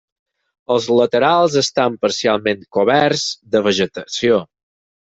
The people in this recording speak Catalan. Els laterals estan parcialment coberts de vegetació.